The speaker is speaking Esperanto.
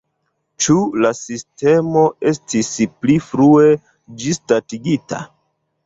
Ĉu la sistemo estis pli frue ĝisdatigita?